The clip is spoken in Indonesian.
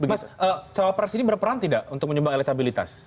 mas cawa pres ini berperan tidak untuk menyumbang elektabilitas